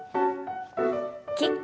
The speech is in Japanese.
キック。